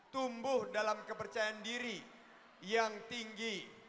tumbuh dalam kepercayaan diri yang tinggi